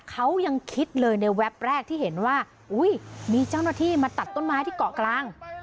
เขายังคิดเลยในแวบแรกที่เห็นว่าอุ้ยมีเจ้าหน้าที่มาตัดต้นไม้ที่เกาะกลาง